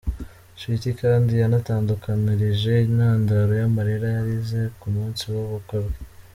Sweety kandi yanadutangarije intandaro y’amarira yarize ku munsi w’ubukwe bwe.